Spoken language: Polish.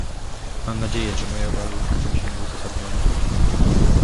Mam nadzieję, że moje obawy okażą się nieuzasadnione